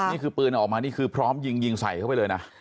นี่คือปืนออกมานี่คือพร้อมยิงยิงใส่เข้าไปเลยนะ